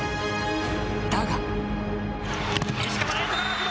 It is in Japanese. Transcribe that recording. だが。